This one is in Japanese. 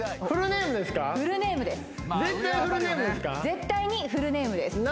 絶対フルネームですか？